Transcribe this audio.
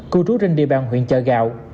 cư trú trên địa bàn huyện chợ gạo